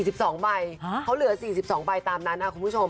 เขาเหลือ๔๒ใบตามนั้นคุณผู้ชม